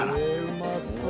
うまそう！